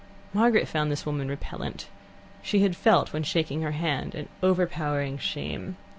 Margaret found this woman repellent. She had felt, when shaking her hand, an overpowering shame.